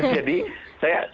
jadi saya terbatas